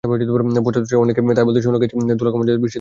পথচারীদের অনেককেই তাই বলতে শোনা গেছে, ধুলা কমার জন্য বৃষ্টি দরকার ছিল।